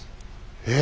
えっ！？